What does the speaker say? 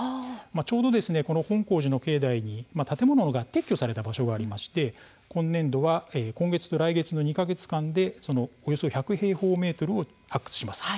ちょうど本興寺の境内に建物が撤去された場所があり今年度は今月と来月の２か月間でそのおよそ１００平方メートルを調査します。